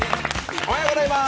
おはようございます。